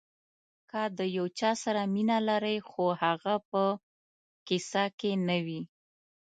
که د یو چا سره مینه لرئ خو هغه په قصه کې نه وي.